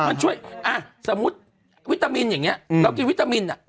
มันช่วยอ่าสมมุติวิตามินอย่างเงี้ยอืมแล้วกินวิตามินอ่ะอ่า